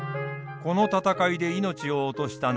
この戦いで命を落とした長照。